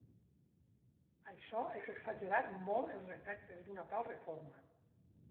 Això és exagerar molt els efectes d'una tal reforma.